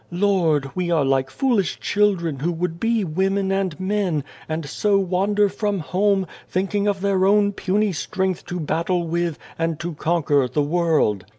Lord, we are like foolish children who would be women and men, and so wander from home, thinking of their own puny strength to battle with, and to conquer the world.